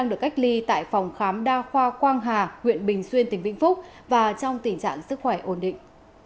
đa khoa quang hà nguyện bình xuyên tỉnh vĩnh phúc và trong tình trạng sức khỏe ổn định